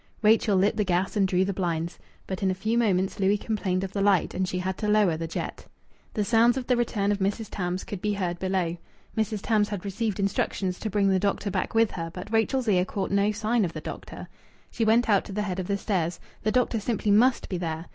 Rachel lit the gas and drew the blinds. But in a few moments Louis complained of the light, and she had to lower the jet. The sounds of the return of Mrs. Tams could be heard below. Mrs. Tams had received instructions to bring the doctor back with her, but Rachel's ear caught no sign of the doctor. She went out to the head of the stairs. The doctor simply must be there.